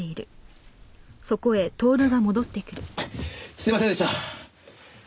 すいませんでした。